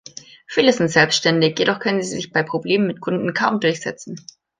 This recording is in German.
Viele sind selbständig, jedoch können sie sich bei Problemen mit Kunden kaum durchsetzen.